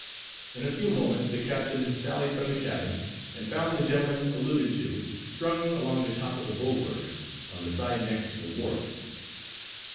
In a few moments the captain sallied from the cabin, and found the gentlemen alluded to, strung along the top of the bulwarks, on the side next to the wharf.